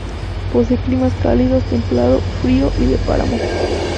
Posee climas cálido, templado, frío y de páramo.